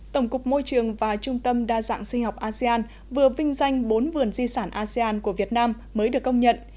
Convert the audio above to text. tổng cục môi trường và trung tâm đa dạng sinh học asean vừa vinh danh bốn vườn di sản asean của việt nam mới được công nhận